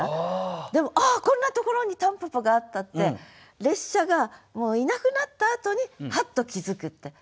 でも「ああこんなところに蒲公英があった」って列車がもういなくなったあとにハッと気付くって。